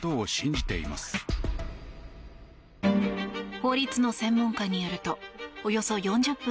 法律の専門家によるとおよそ４０分